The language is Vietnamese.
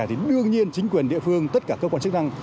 thì đương nhiên chính quyền địa phương tất cả cơ quan chức năng